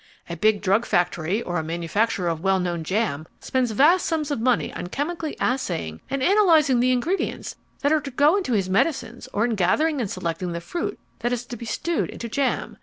A big drug factory or a manufacturer of a well known jam spends vast sums of money on chemically assaying and analyzing the ingredients that are to go into his medicines or in gathering and selecting the fruit that is to be stewed into jam.